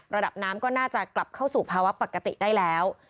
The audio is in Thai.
ระดับน้ำก็น่าจะกลับเข้าสู่ภาวะปกติได้แล้ว